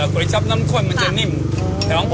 เลือดแด้งมากอ่ะแล้วก็แบบว่า